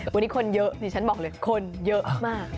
วันนี้คนเยอะดิฉันบอกเลยคนเยอะมาก